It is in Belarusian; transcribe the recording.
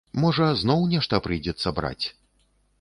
Можа зноў нешта прыйдзецца браць?